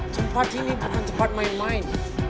tempat ini bukan tempat main main